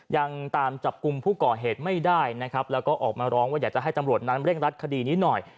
ยังตามจับกลุ่มผู้ก่อเหตุไม่ได้นะครับแล้วก็ออกมาร้องว่าอยากจะให้ตำรวจนั้นเร่งรัดคดีนี้หน่อย